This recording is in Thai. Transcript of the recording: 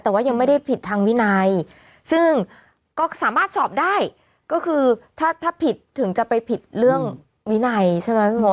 แต่ว่ายังไม่ได้ผิดทางวินัยซึ่งก็สามารถสอบได้ก็คือถ้าถ้าผิดถึงจะไปผิดเรื่องวินัยใช่ไหมพี่มด